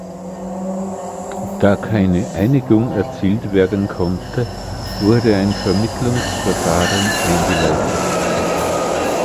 Da keine Einigung erzielt werden konnte, wurde ein Vermittlungsverfahren eingeleitet.